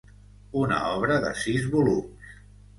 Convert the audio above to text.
Una obra de sis volums.